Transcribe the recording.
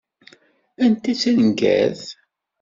Anta i d taneggart?